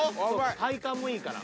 体幹もいいから。